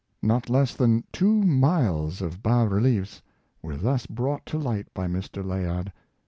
Not less than two miles of bas reliefs were thus brought to light by Mr. Layard.